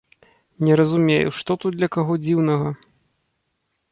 Не разумею, што тут для каго дзіўнага?